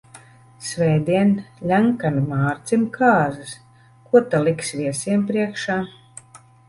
Svētdien Ļenkanu Mārcim kāzas, ko ta liks viesiem priekšā?